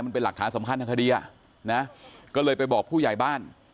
มันเป็นหลักฐานสำคัญทางคดีอ่ะนะก็เลยไปบอกผู้ใหญ่บ้าน